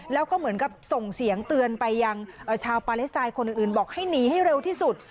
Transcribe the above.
แล้วก็เหมือนกับส่งเสียงเตือนไปยังชาวปาเลสไตน์คนอื่นบอกให้หนีให้เร็วที่สุด